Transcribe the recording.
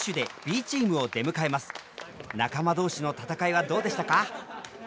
仲間同士の戦いはどうでしたか？